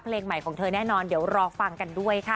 เพลงใหม่ของเธอแน่นอนเดี๋ยวรอฟังกันด้วยค่ะ